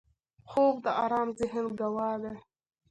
خوب د آرام ذهن ګواه دی